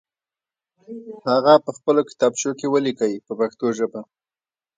هغه په خپلو کتابچو کې ولیکئ په پښتو ژبه.